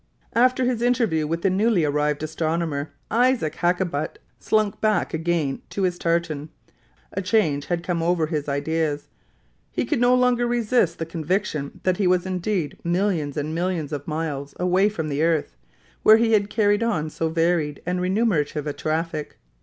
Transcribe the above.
After his interview with the newly arrived astronomer, Isaac Hakkabut slunk back again to his tartan. A change had come over his ideas; he could no longer resist the conviction that he was indeed millions and millions of miles away from the earth, where he had carried on so varied and remunerative a traffic.